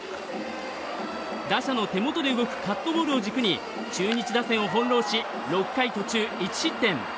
打者の手元で動くカットボールを軸に中日打線を翻弄し６回途中１失点。